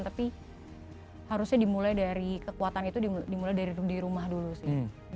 tapi harusnya dimulai dari kekuatan itu dimulai dari di rumah dulu sih